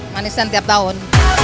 manisan tiap tahun